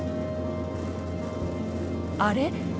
あれ？